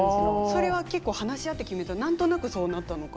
それは結構話し合って決めた何となくそうなったのか。